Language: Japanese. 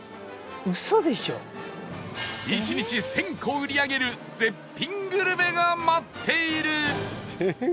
１日１０００個売り上げる絶品グルメが待っている！